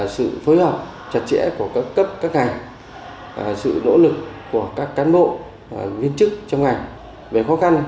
sự phối hợp chặt chẽ của các cấp các ngành sự nỗ lực của các cán bộ viên chức trong ngành về khó khăn